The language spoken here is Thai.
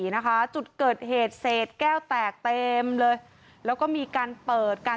นะคะจุดเกิดเหตุเศษแก้วแตกเต็มเลยแล้วก็มีการเปิดกัน